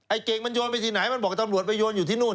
เก่งมันโยนไปที่ไหนมันบอกตำรวจไปโยนอยู่ที่นู่น